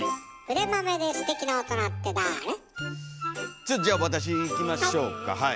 ちょっじゃあ私いきましょうかはい。